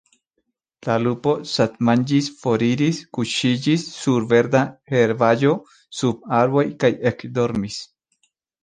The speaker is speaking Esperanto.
La lupo satmanĝis, foriris, kuŝiĝis sur verda herbaĵo sub arbo kaj ekdormis.